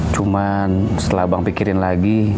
cuman setelah abang pikirin lagi